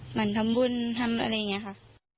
เหมือนทำบุญทำอะไรอย่างนี้ค่ะ